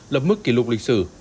lập mức kỷ lục lịch sử